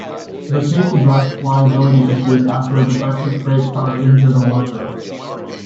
The case addressed liability issues after a defective freight car injured a worker.